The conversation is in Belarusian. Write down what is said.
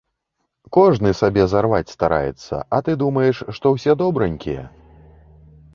Кожны сабе зарваць стараецца, а ты думаеш, што ўсе добранькія?